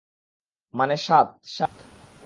মানে সাত, সাত।